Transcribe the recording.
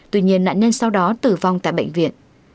tuy nhiên nạn nhân sau đó tử vong tại bệnh viện